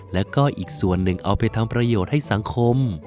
แล้วก็อีกส่วนหนึ่งเอาไปทำประโยชน์ให้สังคม